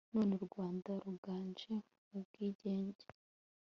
none u rwanda ruganje mu bwigenge